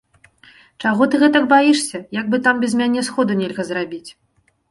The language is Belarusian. Чаго ты гэтак баішся, як бы там без мяне сходу нельга зрабіць!